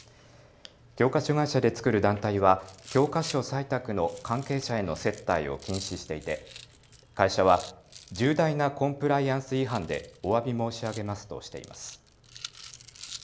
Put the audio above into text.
教科書会社で作る団体は教科書採択の関係者への接待を禁止していて会社は重大なコンプライアンス違反でおわび申し上げますとしています。